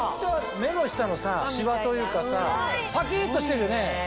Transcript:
目の下のシワというかさパキっとしてるよね。